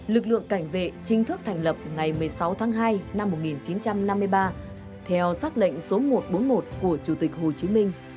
lực lượng cảnh vệ chính thức thành lập ngày một mươi sáu tháng hai năm một nghìn chín trăm năm mươi ba theo xác lệnh số một trăm bốn mươi một của chủ tịch hồ chí minh